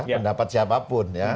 pendapat siapapun ya